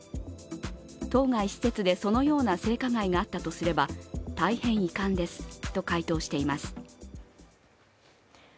当該施設でそのような性加害があったとすれば大変遺憾ですと回答しています。